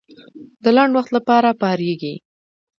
د لنډ وخت لپاره پارېږي.